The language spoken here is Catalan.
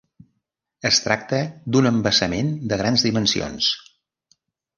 Es tracta d'un embassament de grans dimensions.